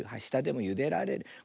したでもゆでられる。